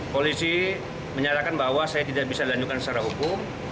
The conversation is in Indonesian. polisi menyatakan bahwa saya tidak bisa dilanjutkan secara hukum